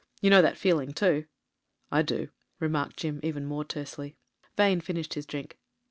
You know that feeling too?" I do," remarked Jim even more tersely. Vane finished his drink.